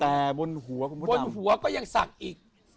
แต่บนหัวก็ยังสักอีก